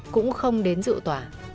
cũng không đến dự tòa